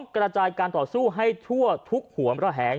กระจายการต่อสู้ให้ทั่วทุกหัวระแหง